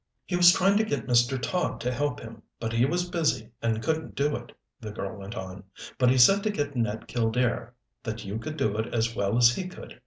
"He was trying to get Mr. Todd to help him, but he was busy and couldn't do it," the girl went on. "But he said to get Ned Killdare that you could do it as well as he could.